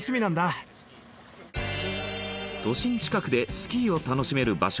都心近くでスキーを楽しめる場所